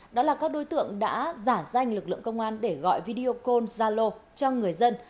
đó là các đối tượng đã giả danh lực lượng công an để gọi video cal zalo cho người dân